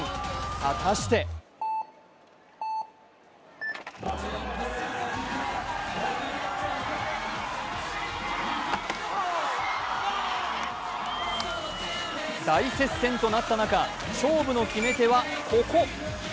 果たして大接戦となった中、勝負の決め手はここ。